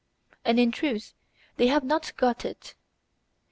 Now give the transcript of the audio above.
And in truth they have not got it.